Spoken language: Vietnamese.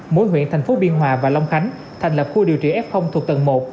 mỗi huyện thành phố biên hòa và long khánh thành lập khu điều trị f thuộc tầng một